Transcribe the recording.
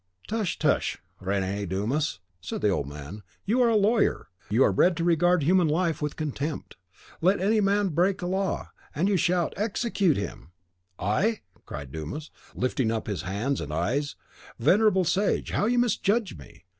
"Tush, tush, Rene Dumas!" said the old man, "you are a lawyer. You are bred to regard human life with contempt. Let any man break a law, and you shout, 'Execute him!'" "I!" cried Dumas, lifting up his hands and eyes: "venerable sage, how you misjudge me!